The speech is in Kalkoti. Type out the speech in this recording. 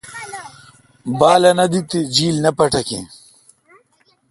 بالہ نہ دیت تےجیل نہ پھٹکیں